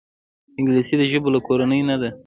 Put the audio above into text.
انګلیسي د ژبو له کورنۍ نه ده